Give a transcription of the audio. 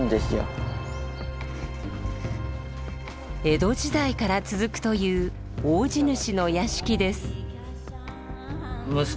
江戸時代から続くという大地主の屋敷です。